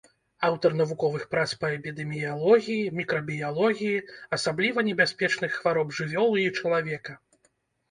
Аўтар навуковых прац па эпідэміялогіі, мікрабіялогіі асабліва небяспечных хвароб жывёлы і чалавека.